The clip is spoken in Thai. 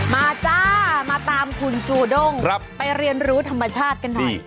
จ้ามาตามคุณจูด้งไปเรียนรู้ธรรมชาติกันหน่อย